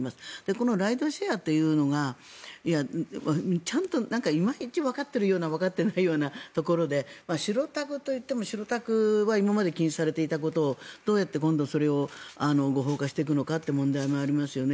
このライドシェアというのがちゃんといまいちわかっているようなわかっていないようなところで白タクといっても、白タクは今まで禁止されていたことをどうやって今度それを合法化していくのかという問題がありますよね。